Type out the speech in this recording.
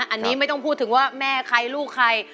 อันนี้ไม่ต้องพูดถึงว่าแม่ใครลูกใคร